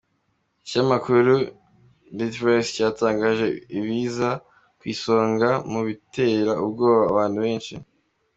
Ikinyamakuru Listverse cyatangaje ibiza ku isonga mu bitera ubwoba abantu benshi.